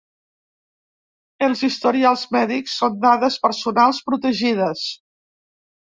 Els historials mèdics són dades personals protegides.